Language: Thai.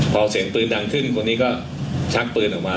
พอเสียงปืนดังขึ้นคนนี้ก็ชักปืนออกมา